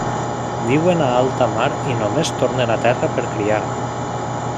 Viuen a alta mar i només tornen a terra per criar.